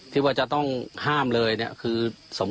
ที่ว่าจะต้องห้ามเลยเนี่ย